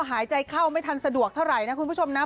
หายใจเข้าไม่ทันสะดวกเท่าไหร่นะคุณผู้ชมนะ